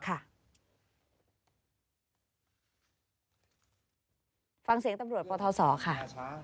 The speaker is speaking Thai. ฟังเสียงตำรวจปทศค่ะ